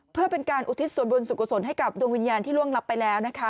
เพื่อเป็นการอุทิศส่วนบุญสุขุศลให้กับดวงวิญญาณที่ล่วงลับไปแล้วนะคะ